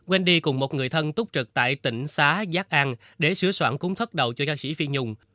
wendy cùng một người thân túc trực tại tỉnh xá giác an để sửa soạn cúng thất đầu cho ca sĩ phi nhung